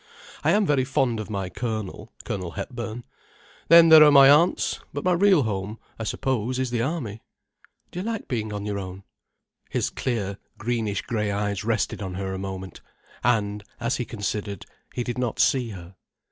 I am very fond of my colonel—Colonel Hepburn: then there are my aunts: but my real home, I suppose, is the army." "Do you like being on your own?" His clear, greenish grey eyes rested on her a moment, and, as he considered, he did not see her.